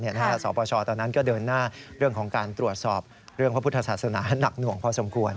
สปชตอนนั้นก็เดินหน้าเรื่องของการตรวจสอบเรื่องพระพุทธศาสนาหนักหน่วงพอสมควร